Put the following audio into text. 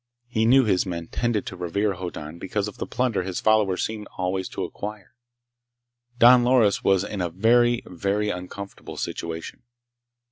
He knew his men tended to revere Hoddan because of the plunder his followers seemed always to acquire. Don Loris was in a very, very uncomfortable situation.